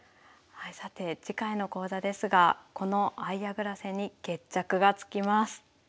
さて次回の講座ですがこの相矢倉戦に決着がつきます。